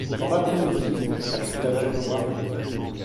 Dans l’après-midi?... ajouta John Howard.